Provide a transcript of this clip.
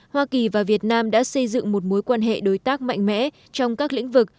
hoa kỳ và việt nam đã xây dựng một mối quan hệ đối tác mạnh mẽ trong các lĩnh vực